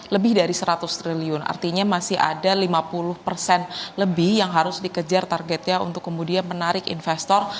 lebih dari seratus triliun artinya masih ada lima puluh persen lebih yang harus dikejar targetnya untuk kemudian menarik investor